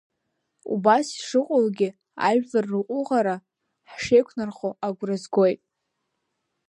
Убас ишыҟоугьы, ажәлар рҟәыӷара ҳшеиқәнархо агәра згоит.